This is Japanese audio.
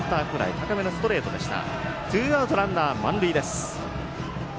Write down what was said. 高めのストレートでした。